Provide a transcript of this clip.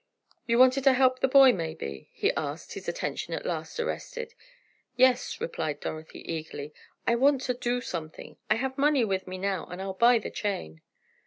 "You wanted to help the boy, maybe?" he asked, his attention at last arrested. "Yes," replied Dorothy, eagerly, "I want to do something. I have money with me now, and I'll buy the chain."